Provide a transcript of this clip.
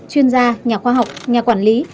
chuyên gia nhà khoa học nhà quản lý